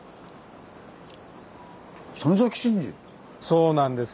そうなんです。